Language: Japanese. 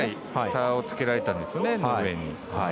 差をつけられたんですよね。